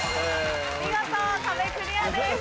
見事壁クリアです。